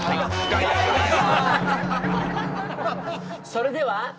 それでは。